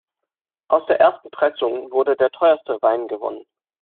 Aus der ersten Pressung wurde der teuerste Wein gewonnen.